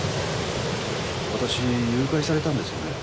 私誘拐されたんですよね？